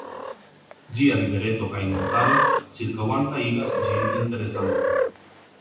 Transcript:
Ĝia rivereto kaj montaro ĉirkaŭanta igas ĝin interesa loko.